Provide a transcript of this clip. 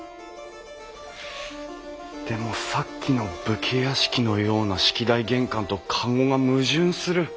でもさっきの武家屋敷のような式台玄関と籠が矛盾する。